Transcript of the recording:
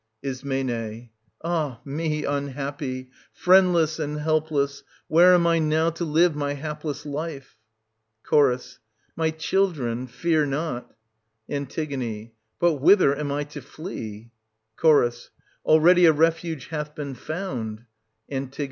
Is. Ah me unhappy ! Friendless and helpless, where am I now to live my hapless life ? Ch. My children, fear not An. But whither dsnant.i. I to flee ? Ch. Already a refuge hath been found — An.